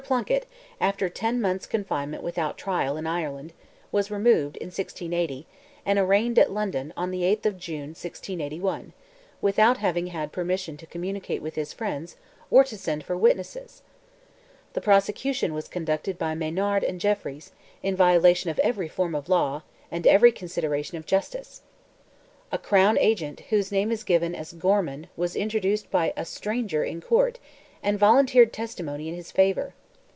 Plunkett, after ten months' confinement without trial in Ireland, was removed, 1680, and arraigned at London, on the 8th of June, 1681, without having had permission to communicate with his friends or to send for witnesses. The prosecution was conducted by Maynard and Jeffries, in violation of every form of law, and every consideration of justice. A "crown agent," whose name is given as Gorman, was introduced by "a stranger" in court, and volunteered testimony in his favour.